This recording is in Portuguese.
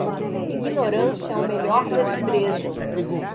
Ignorância é o melhor desprezo.